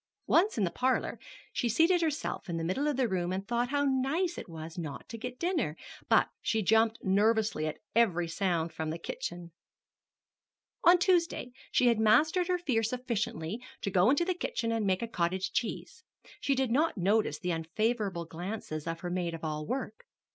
Once in the parlor, she seated herself in the middle of the room and thought how nice it was not to get dinner; but she jumped nervously at every sound from the kitchen. On Tuesday she had mastered her fear sufficiently to go into the kitchen and make a cottage cheese. She did not notice the unfavorable glances of her maid of all work.